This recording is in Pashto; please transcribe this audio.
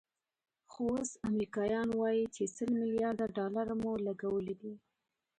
خو اوس امریکایان وایي چې سل ملیارده ډالر مو لګولي دي.